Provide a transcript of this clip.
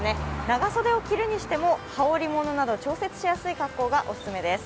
長袖を着るにしても、羽織ものなど調節しやすい格好がお勧めです。